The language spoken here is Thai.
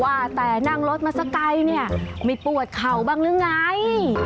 ว่าแต่นั่งรถมาสักไกลเนี่ยไม่ปวดเข่าบ้างหรือไง